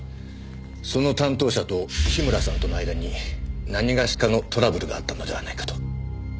その担当者と樋村さんとの間に何がしかのトラブルがあったのではないかと。